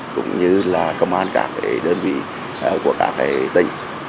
cũng như là công an các đơn vị của các tỉnh